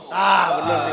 tidak bener sih